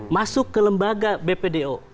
masuk ke lembaga bpdo